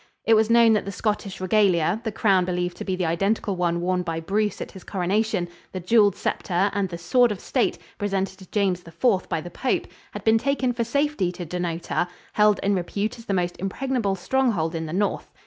It was known that the Scottish regalia the crown believed to be the identical one worn by Bruce at his coronation, the jewelled scepter and the sword of state presented to James IV by the pope had been taken for safety to Dunnottar, held in repute as the most impregnable stronghold in the North.